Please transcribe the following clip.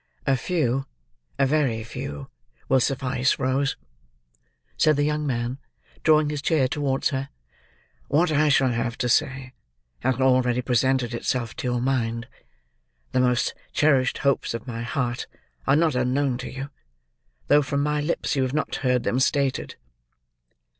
"A few—a very few—will suffice, Rose," said the young man, drawing his chair towards her. "What I shall have to say, has already presented itself to your mind; the most cherished hopes of my heart are not unknown to you, though from my lips you have not heard them stated."